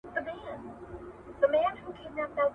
موږ په ډېر اخلاص سره کار کړی و.